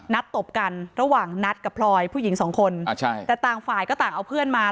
ตบกันระหว่างนัดกับพลอยผู้หญิงสองคนอ่าใช่แต่ต่างฝ่ายก็ต่างเอาเพื่อนมา